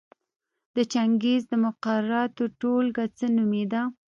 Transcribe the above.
د چنګیز د مقرراتو ټولګه څه نومېده؟